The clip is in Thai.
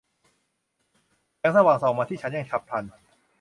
แสงสว่างส่องมาที่ฉันอย่างฉับพลัน